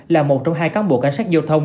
là một trong hai cán bộ cảnh sát giao thông